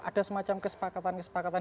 ada semacam kesepakatan kesepakatan